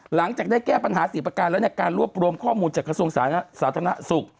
หลังจากได้แก้ปัญหา๔ประการแล้วเนี่ยการรวบรวมข้อมูลจากกระทรวงสาธารณสุข